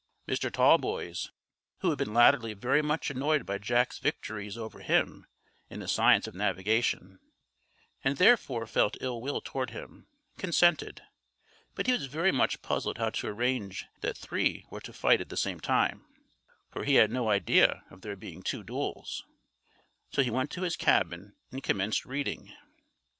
Mr. Tallboys, who had been latterly very much annoyed by Jack's victories over him in the science of navigation, and therefore felt ill will toward him, consented; but he was very much puzzled how to arrange that three were to fight at the same time, for he had no idea of there being two duels; so he went to his cabin and commenced reading.